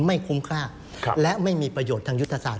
ไม่คุ้มค่าและไม่มีประโยชน์ทางยุทธศาส